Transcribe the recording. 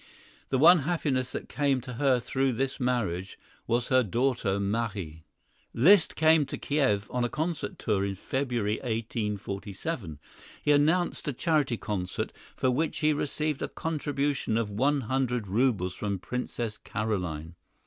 The one happiness that came to her through this marriage was her daughter Marie. Liszt came to Kiew on a concert tour in February, 1847. He announced a charity concert, for which he received a contribution of one hundred rubles from Princess Carolyne.